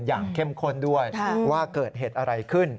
เข้มข้นด้วยว่าเกิดเหตุอะไรขึ้น